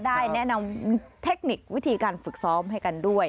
ได้แนะนำเทคนิควิธีการฝึกซ้อมให้กันด้วย